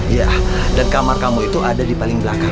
iya dan kamar kamu itu ada di paling belakang